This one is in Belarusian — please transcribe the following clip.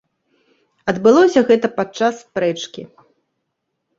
Адбылося гэта падчас спрэчкі.